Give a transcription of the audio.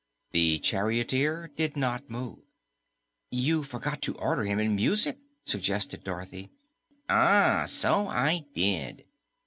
The charioteer did not move. "You forgot to order him in music," suggested Dorothy. "Ah, so I did."